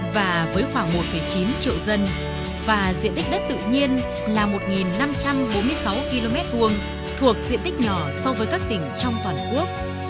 và với khoảng một chín triệu dân và diện tích đất tự nhiên là một năm trăm bốn mươi sáu km hai thuộc diện tích nhỏ so với các tỉnh trong toàn quốc